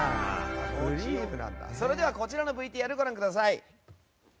それでは、こちらのＶＴＲご覧ください。